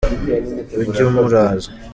ujye umuraza.